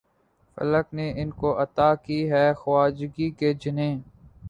فلک نے ان کو عطا کی ہے خواجگی کہ جنھیں